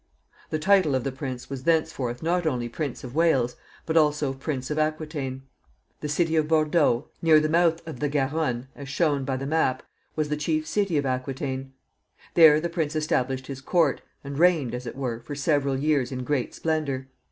The title of the prince was thenceforth not only Prince of Wales, but also Prince of Aquitaine. The city of Bordeaux, near the mouth of the Garonne, as shown by the map,[E] was the chief city of Aquitaine. There the prince established his court, and reigned, as it were, for several years in great splendor.